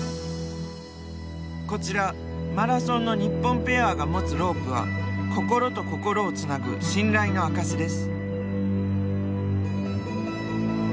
こちらマラソンの日本ペアが持つロープは心と心をつなぐ信頼の証しです。